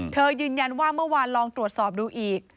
ยืนยันว่าเมื่อวานลองตรวจสอบดูอีก